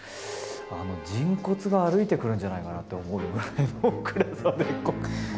人骨が歩いてくるんじゃないかなって思うぐらいの暗さで。